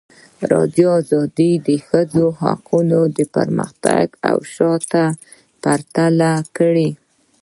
ازادي راډیو د د ښځو حقونه پرمختګ او شاتګ پرتله کړی.